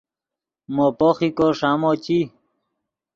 مو پوخیکو ݰامو چی